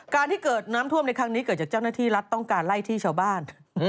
ที่เกิดน้ำท่วมในครั้งนี้เกิดจากเจ้าหน้าที่รัฐต้องการไล่ที่ชาวบ้าน